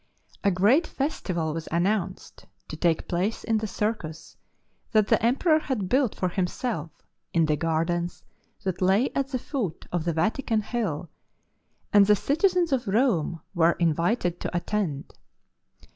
A great festival was announced to take place in the circus that the Emperor had built for himself in the gardens that lay at the foot of the Vatican hm, and the citizens of Rome were invited to attend.